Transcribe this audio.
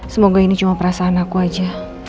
semoga ini cuma perasaan aku aja